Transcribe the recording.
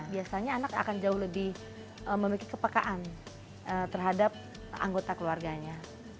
biasanya anak akan jauh lebih memiliki kepekaan terhadap anggota keluarganya